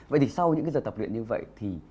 vậy thì sau những cái giờ tập luyện như vậy thì